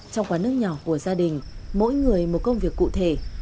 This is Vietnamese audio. trong quán nước nhỏ của gia đình mỗi người một công việc cụ thể